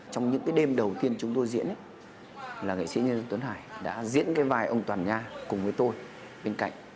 trong những cái đêm đầu tiên chúng tôi diễn là nghệ sĩ nhân dân tuấn hải đã diễn cái vai ông toàn nha cùng với tôi bên cạnh